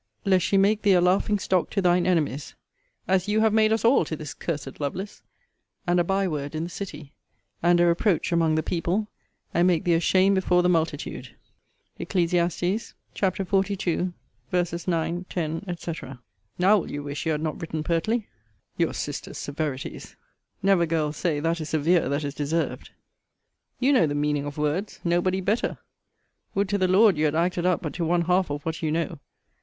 ] lest she make thee a laughing stock to thine enemies [as you have made us all to this cursed Lovelace,] and a bye word in the city, and a reproach among the people, and make thee ashamed before the multitude.' Eccles. xlii. 9, 10, &c. Now will you wish you had not written pertly. Your sister's severities! Never, girl, say that is severe that is deserved. You know the meaning of words. No body better. Would to the Lord you had acted up but to one half of what you know!